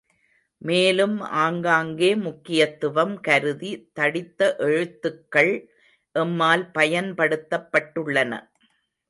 மேலும் ஆங்காங்கே முக்கியத்துவம் கருதி தடித்த எழுத்துக்கள் எம்மால் பயன்படுத்தப்பட்டுள்ளன.